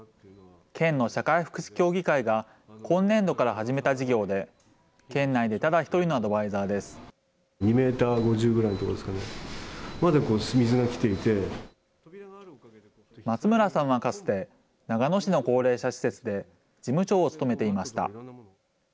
県の社会福祉協議会が今年度から始めた事業で、県内でただ一人の松村さんはかつて、長野市の高齢者施設で事務長を務めていました。